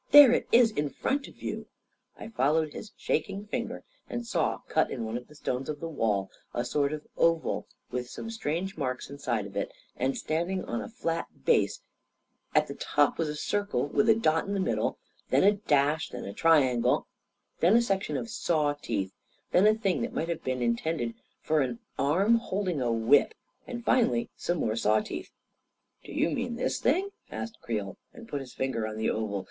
There it is in front of you !" I followed his shaking finger, and saw, cut in one of the stones of the wall, a sort of oval, with some strange marks inside of it, and standing on a flat 196 A KING IN BABYLON base. At the top was a circle with a dot in the mid dle, then a dash, then a triangle, then a section of saw teeth, then a thing that might have been in tended for an arm holding a whip, and finally some more saw teeth, like this: t*4 «" Do you mean this thing? " asked Creel, and put his finger on the oval.